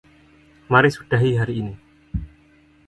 Mari sudahi hari ini.